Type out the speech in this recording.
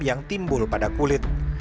yang timbul pada kulit